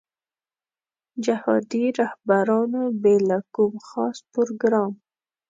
جهادي رهبرانو بې له کوم خاص پروګرام.